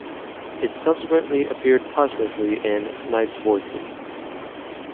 It subsequently appeared posthumously in "Night Voices".